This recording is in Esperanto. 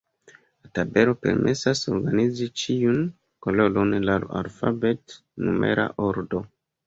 La tabelo permesas organizi ĉiun kolonon laŭ alfabet-numera ordo.